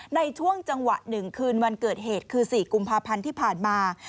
ในช่วงจังหวะ๑คืนวันเกิดเหตุคือ๔กุมภาพันธ์ที่ผ่านมา